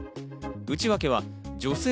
内訳は女性